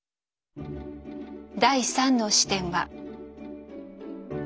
第３の視点は。